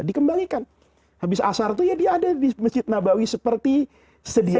dikembalikan habis asar itu ya dia ada di masjid nabawi seperti sedia